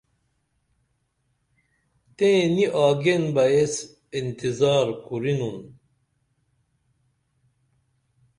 تیں نی آگین بہ ایس انتظار کُرینُن